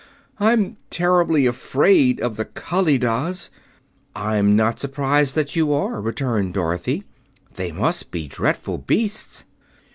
I'm terribly afraid of the Kalidahs." "I'm not surprised that you are," returned Dorothy. "They must be dreadful beasts."